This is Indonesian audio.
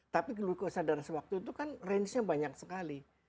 tapi kesadaran sewaktu itu kan range nya banyak sekali